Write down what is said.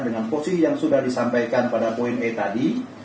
dengan posisi yang sudah disampaikan pada poin e tadi